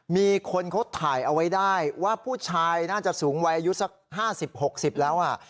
มีคนเขาถ่ายเอาไว้ได้ว่าผู้ชายน่าจะสูงวัยอายุสัก๕๐๖๐แล้ว